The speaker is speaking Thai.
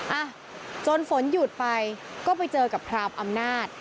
อ่ะจนฝนหยุดไปก็ไปเจอกับพรามอำนาจ